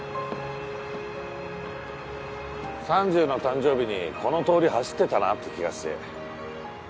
３０の誕生日にこの通り走ってたなって気がして。